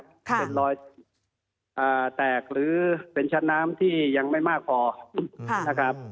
เป็นรอยแตกหรือเป็นชั้นน้ำที่ยังไม่มากพอนะครับ